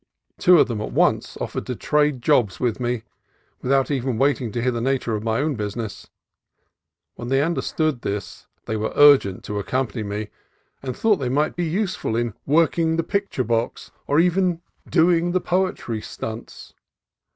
Two of them at once offered to "trade jobs" with me, without even waiting to hear the nature of my own business. When they understood this they were urgent to ac company me, and thought they might be useful in "working the picture box" or even "doing the po 158 CALIFORNIA COAST TRAILS etry stunts.